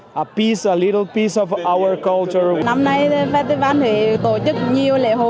năm nay festival huế tổ chức nhiều lễ hội